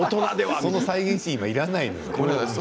その再現シーンはいらないのよ。